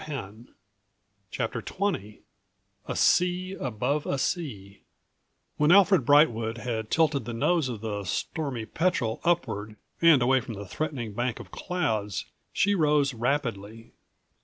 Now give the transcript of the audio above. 194 CHAPTER XXA SEA ABOVE A SEA When Alfred Brightwood had tilted the nose of the Stormy Petrel upward and away from the threatening bank of clouds she rose rapidly.